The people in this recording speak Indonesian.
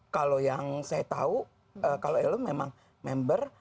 kalau yang saya tahu kalau elo memang member